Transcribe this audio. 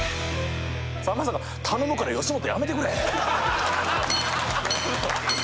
さんまさんが「頼むから吉本辞めてくれ」って。